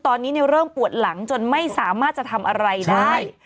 ตอนนี้เริ่มปวดหลังจนไม่สามารถจะทำอะไรได้